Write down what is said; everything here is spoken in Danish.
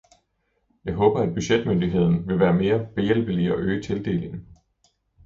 Jeg håber, at budgetmyndigheden vil være mere behjælpelig og øge tildelingen.